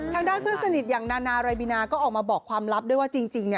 ทางด้านเพื่อนสนิทอย่างนานารายบินาก็ออกมาบอกความลับด้วยว่าจริง